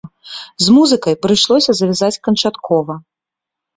З музыкай прыйшлося завязаць канчаткова.